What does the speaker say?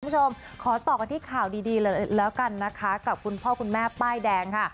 คุณผู้ชมขอต่อกันที่ข่าวดีเลยแล้วกันนะคะกับคุณพ่อคุณแม่ป้ายแดงค่ะ